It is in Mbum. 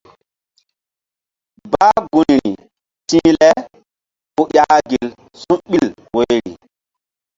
Bah gunri ti̧h le ku ƴah gel su̧ɓil woyri.